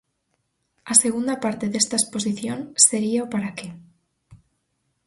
A segunda parte desta exposición sería o para que.